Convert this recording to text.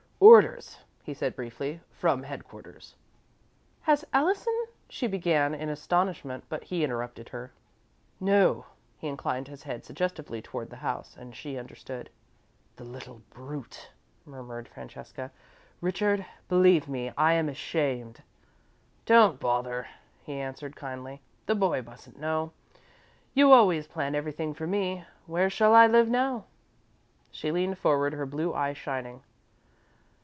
"Orders," he said, briefly. "From headquarters." "Has Allison " she began, in astonishment, but he interrupted her. "No." He inclined his head suggestively toward the house, and she understood. "The little brute," murmured Francesca. "Richard, believe me, I am ashamed." "Don't bother," he answered, kindly. "The boy mustn't know. You always plan everything for me where shall I live now?" She leaned forward, her blue eyes shining.